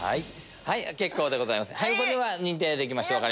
結構でございます。